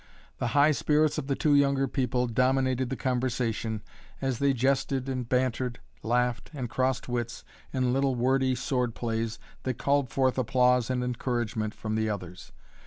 The high spirits of the two younger people dominated the conversation, as they jested and bantered, laughed, and crossed wits in little wordy sword plays that called forth applause and encouragement from the others.